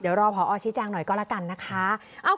เดี๋ยวรอพอชี้แจงหน่อยก็แล้วกันนะคะ